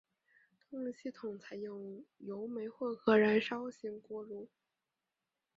动力系统采用油煤混合燃烧型锅炉。